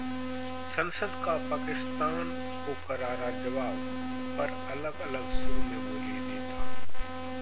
संसद का पाकिस्तान को करारा जवाब, पर अलग-अलग सुर में बोले नेता